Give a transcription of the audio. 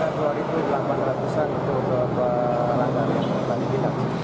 delapan ratus an untuk beberapa randa yang terbalik di sini